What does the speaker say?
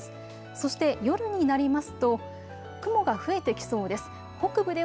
そして夜になりますと雲が増えてきそうです。